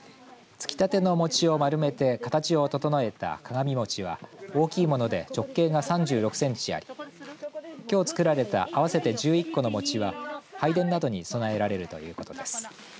つきたての餅を丸めて形を整えた鏡餅は大きいもので直径が３６センチありきょう作られた合わせて１１個の餅は拝殿などに供えられるということです。